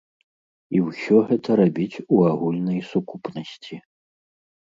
І ўсё гэта рабіць у агульнай сукупнасці.